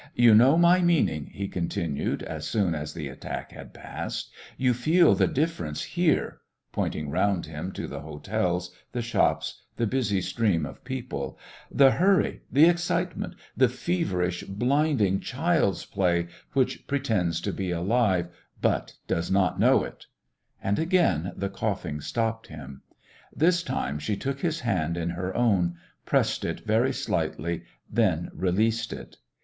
"You know my meaning," he continued, as soon as the attack had passed; "you feel the difference here," pointing round him to the hotels, the shops, the busy stream of people; "the hurry, the excitement, the feverish, blinding child's play which pretends to be alive, but does not know it " And again the coughing stopped him. This time she took his hand in her own, pressed it very slightly, then released it.